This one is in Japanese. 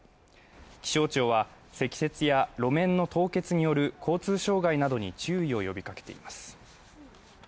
気象庁は積雪や路面の凍結による交通障害などに注意を呼びかけています。